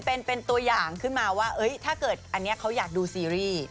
เป็นตัวอย่างขึ้นมาว่าถ้าเกิดอันนี้เขาอยากดูซีรีส์